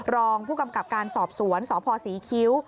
รองผู้กำกับการสอบสวนสพศรีคิ้ว